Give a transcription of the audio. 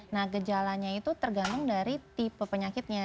nah gejalanya itu tergantung dari tipe penyakitnya